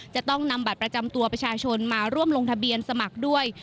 จะต้องนำบัตรประจำตัวประชาชนมาร่วมลงทะเบียนสมัครด้วย